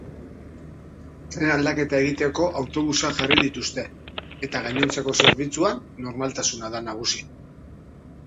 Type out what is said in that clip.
Tren aldaketa egiteko autobusak jarri dituzte eta gainontzeko zerbitzuan normaltasuna da nagusi.